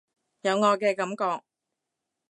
有愛嘅感覺